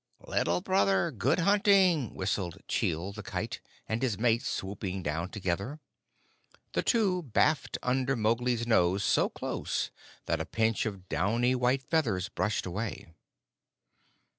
"Little Brother, good hunting!" whistled Chil the Kite and his mate, swooping down together. The two baffed under Mowgli's nose so close that a pinch of downy white feathers brushed away.